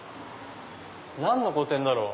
何の個展だろう？